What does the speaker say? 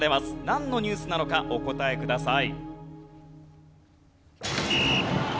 なんのニュースなのかお答えください。